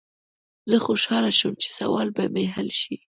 زه خوشحاله شوم چې سوال به مې حل شي.